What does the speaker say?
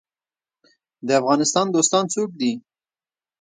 د افغانستان دوستان څوک دي؟